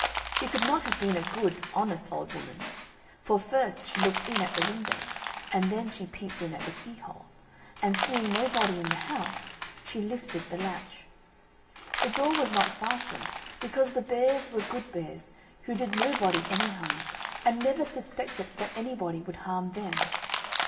She could not have been a good, honest old Woman; for first she looked in at the window, and then she peeped in at the keyhole; and seeing nobody in the house, she lifted the latch. The door was not fastened, because the Bears were good Bears, who did nobody any harm, and never suspected that anybody would harm them.